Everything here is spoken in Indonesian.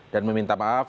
dan meminta maaf